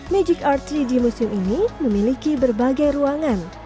magic ar tiga d museum ini memiliki berbagai ruangan